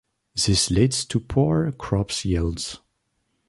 This leads to poor crop yields.